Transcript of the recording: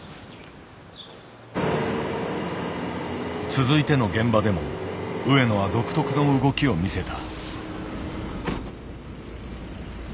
続いての現場でも上野は独特の動きを見せた。